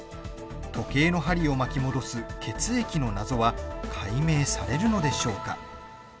時計の針を巻き戻す血液の謎は解明されるのでしょうか。